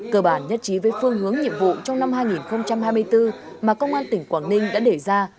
cơ bản nhất trí với phương hướng nhiệm vụ trong năm hai nghìn hai mươi bốn mà công an tỉnh quảng ninh đã để ra